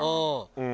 うん。